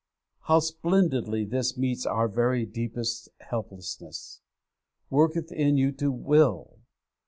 How splendidly this meets our very deepest helplessness, 'worketh in you to _will!